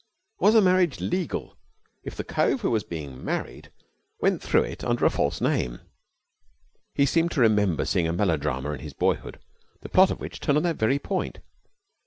Was a marriage legal if the cove who was being married went through it under a false name? He seemed to remember seeing a melodrama in his boyhood the plot of which turned on that very point.